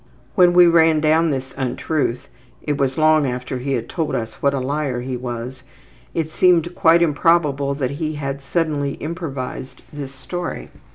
When we ran down this untruth (it was long after he had told us what a liar he was) it seemed quite improbable that he had suddenly improvised this story.